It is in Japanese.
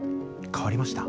変わりました。